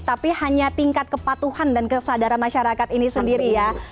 tapi hanya tingkat kepatuhan dan kesadaran masyarakat ini sendiri ya